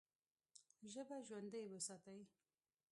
ژبه ژوندۍ وساتئ!